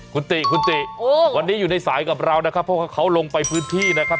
คุณติคุณติวันนี้อยู่ในสายกับเรานะครับเพราะว่าเขาลงไปพื้นที่นะครับ